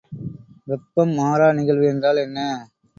வெப்பம் மாறா நிகழ்வு என்றால் என்ன?